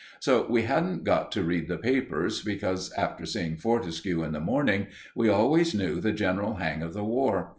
So we hadn't got to read the papers, because, after seeing Fortescue in the morning, we always knew the general hang of the War.